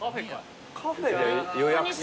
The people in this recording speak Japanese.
カフェで予約制？